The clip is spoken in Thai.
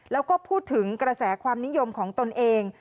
แล้วก็พูดถึงกระแสความนิยมของตนเอง